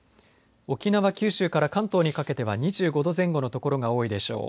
沖縄、九州から関東にかけては２５度前後の所が多いでしょう。